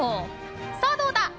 さあ、どうだ！